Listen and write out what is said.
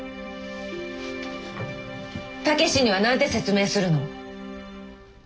武志には何て説明するの？